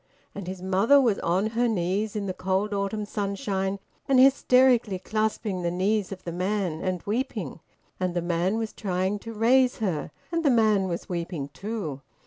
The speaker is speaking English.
And his mother was on her knees in the cold autumn sunshine, and hysterically clasping the knees of the man, and weeping; and the man was trying to raise her, and the man was weeping too.